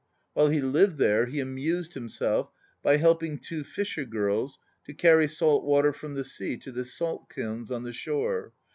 While he lived there he amused himself by helping two fisher girls to carry salt water from the sea to the salt kilns on the shore.